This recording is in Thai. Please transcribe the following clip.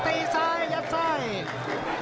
ตีซ้ายยัดซ้าย